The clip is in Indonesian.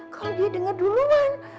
kalau dia denger duluan